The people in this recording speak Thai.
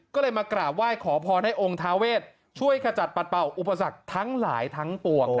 ก็เลยมากราบไหว้ขอพรให้องค์ทาเวทช่วยขจัดปัดเป่าอุปสรรคทั้งหลายทั้งปวง